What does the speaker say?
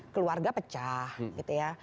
keluarga pecah gitu ya